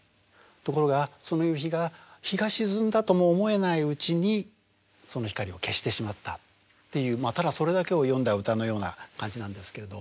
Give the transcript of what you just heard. ところがその夕日が日が沈んだとも思えないうちにその光を消してしまったっていうただそれだけを詠んだ歌のような感じなんですけれど。